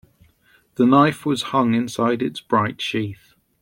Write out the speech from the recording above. The knife was hung inside its bright sheath.